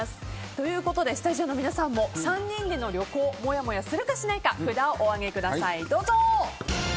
ということでスタジオの皆さんも３人での旅行もやもやするかしないか札をお上げください。